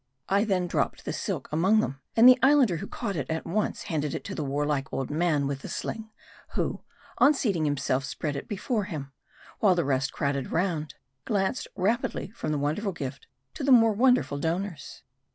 I then dropped the silk among them ; and the Islander, who caught it, at once handed it to the warlike old man with the sling ; who, on seating himself, spread it before him ; while the rest crowding round, glanced rapidly from the wonderful gift, to the more wonderful donors.